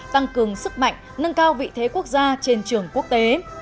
tăng cường sức mạnh nâng cao vị thế quốc gia trên trường quốc tế